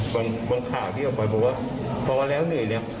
บางข่าวที่ออกไปบอกว่าพอแล้วเหนื่อยเนี่ย